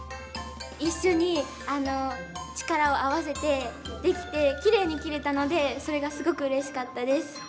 一緒に力を合わせてできてきれいに切れたのでそれがすごくうれしかったです。